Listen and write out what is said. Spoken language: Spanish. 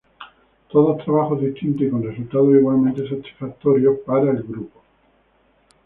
Todos trabajos distintos y con resultados igualmente satisfactorios para el grupo.